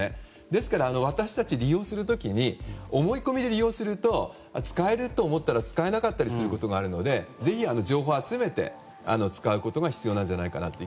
ですから、私たち利用する時に思い込みで利用すると使えると思ったら使えなかったりするのでぜひ、情報を集めて使うことが必要なんじゃないかと。